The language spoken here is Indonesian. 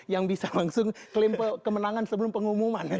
yang bisa langsung klaim kemenangan sebelum pengumuman